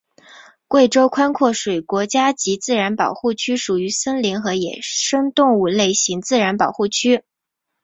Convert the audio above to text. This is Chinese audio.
贵州宽阔水国家级自然保护区属于森林和野生动物类型自然保护区。